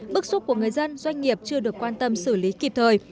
bức xúc của người dân doanh nghiệp chưa được quan tâm xử lý kịp thời